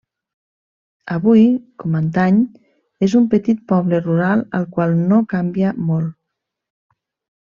Avui com antany és un petit poble rural al qual no canvia molt.